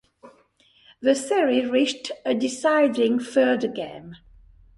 The series reached a deciding third game.